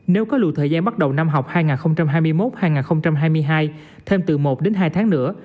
nếu có lùi thời gian bắt đầu năm học hai nghìn hai mươi một hai nghìn hai mươi hai thêm từ một đến hai tháng nữa